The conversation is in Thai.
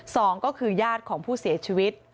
สองก็คือญาติของผู้เสียชีวิต